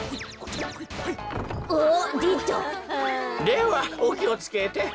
ではおきをつけて。